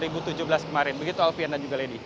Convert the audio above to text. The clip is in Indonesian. begitu alvi dan juga ledy